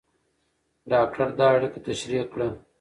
ډاکټر دا اړیکه تشریح کړه.